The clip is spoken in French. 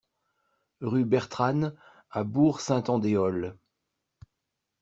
Rue Bertranne à Bourg-Saint-Andéol